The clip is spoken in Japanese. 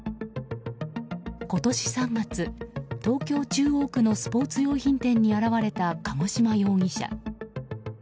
今年３月、東京・中央区のスポーツ用品店に現れた鹿児島容疑者。